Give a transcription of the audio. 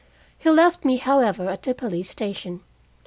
He left me, however, at the police station.